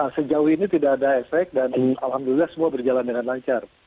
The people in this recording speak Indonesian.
sejauh ini tidak ada efek dan alhamdulillah semua berjalan dengan lancar